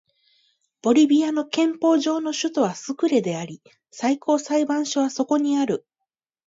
ボリビアの憲法上の首都はスクレであり最高裁判所はそこにある